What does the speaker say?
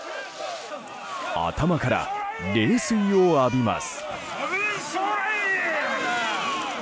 頭から冷水を浴びます。